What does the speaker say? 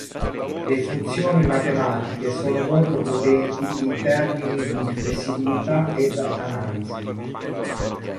Le funzioni matematiche sono molto potenti in termini di flessibilità ed analisi.